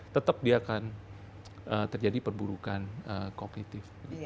tetap dia akan terjadi perburukan kognitif